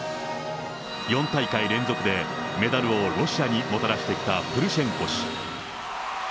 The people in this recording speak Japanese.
４大会連続でメダルをロシアにもたらしてきたプルシェンコ氏。